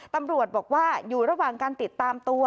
ตำรวจบอกว่าอยู่ระหว่างการติดตามตัว